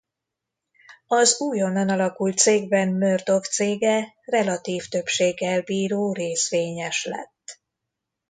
Az újonnan alakult cégben Murdoch cége relatív többséggel bíró részvényes lett.